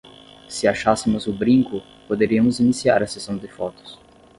Se achássemos o brinco, poderíamos iniciar a sessão de fotos.